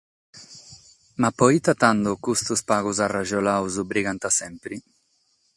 Ma pro ite tando custos pagos arrajolados brigant semper?